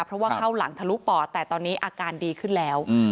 เพราะว่าเข้าหลังทะลุปอดแต่ตอนนี้อาการดีขึ้นแล้ว